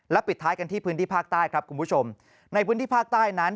ปิดท้ายกันที่พื้นที่ภาคใต้ครับคุณผู้ชมในพื้นที่ภาคใต้นั้น